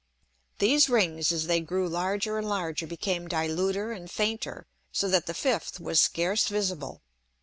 These Rings as they grew larger and larger became diluter and fainter, so that the fifth was scarce visible.